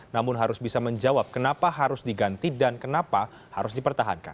namun harus bisa menjawab kenapa harus diganti dan kenapa harus dipertahankan